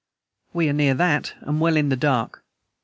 We are near that, and well in the dark.